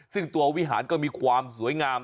ซึ่งตัววิหารก็มีความสวยงาม